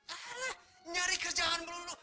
alah nyari kerjaan dulu